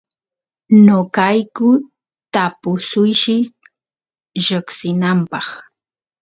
noqayku tapusuysh lloksinapaq